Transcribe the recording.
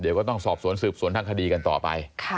เดี๋ยวก็ต้องสอบสวนสืบสวนทางคดีกันต่อไป